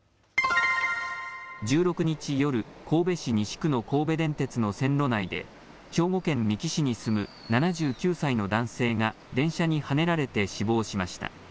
１６日夜、神戸市西区の神戸電鉄の線路内で兵庫県三木市に住む７９歳の男性が電車にはねられて死亡しました。